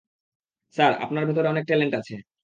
Sir, আপনার ভেতরে অনেক ট্যালেন্ট আছে।